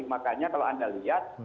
makanya kalau anda lihat